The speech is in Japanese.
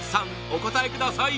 お答えください